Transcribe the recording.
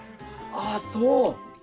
ああそう。